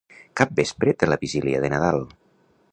Capvespre de la vigília de Nadal.